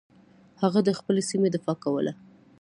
هغه د خپلې سیمې دفاع کوله.